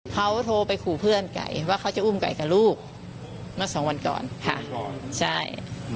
เขาโทรไปขู่เพื่อนไก่ว่าเขาจะอุ้มไก่กับลูกเมื่อสองวันก่อนค่ะใช่